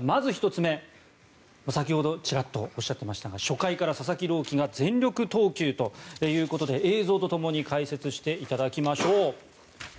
まず１つ目、先ほどちらっとおっしゃってましたが初回から佐々木朗希が全力投球ということで映像とともに解説していただきましょう。